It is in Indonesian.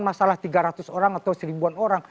masalah tiga ratus orang atau seribuan orang